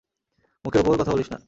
মুখের উপর কথা বলিস না।